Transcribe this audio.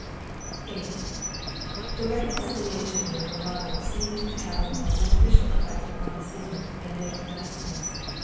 VIII THE reconciliation with her lover seemed to have a more beneficial effect upon the singer than did her medicines.